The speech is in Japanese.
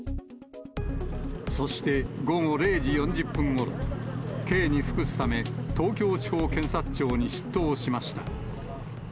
そして午後０時４０分ごろ、刑に服すため、東京地方検察庁に出頭しました。